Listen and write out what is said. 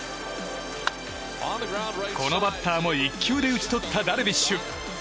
このバッターも１球で打ち取ったダルビッシュ。